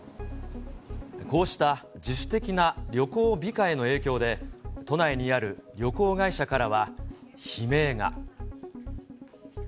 こうした自主的な旅行控えの影響で、都内にある旅行会社からは悲鳴が。